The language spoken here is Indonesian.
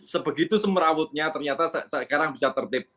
sebegitu semerawutnya ternyata sekarang bisa tertib